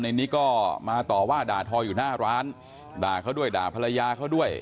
นิกก็มาต่อว่าด่าทออยู่หน้าร้านด่าเขาด้วยด่าภรรยาเขาด้วย